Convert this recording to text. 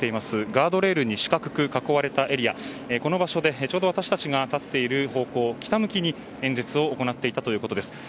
ガードレールに四角く囲われたエリアでちょうど私たちが立っている方向北向きに演説を行っていたということです。